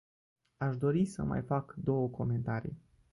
Aș dori să mai fac două comentarii.